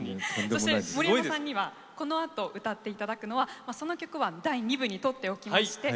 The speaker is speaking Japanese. そして森山さんにはこのあと歌っていただくのはまあその曲は第２部に取っておきまして